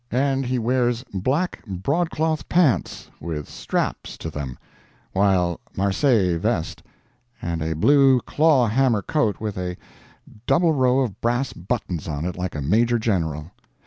And he wears black broadcloth pants, with straps to them, while Marseilles vest, and a blue claw hammer coat with a double row of brass buttons on it, like a Major General.